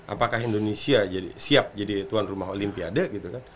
apakah indonesia siap jadi tuan rumah olimpiade gitu kan